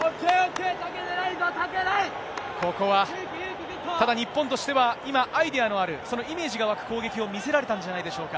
ここは、ただ日本としては、今、アイデアのある、そのイメージが湧く攻撃を見せられたんじゃないでしょうか。